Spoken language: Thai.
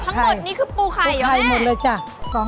ทั้งหมดนี้คือปูไข่หรอแม่